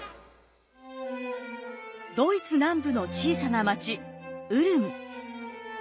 ドイツ南部の小さな町ウルム。